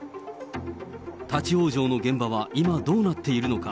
立往生の現場は今、どうなっているのか。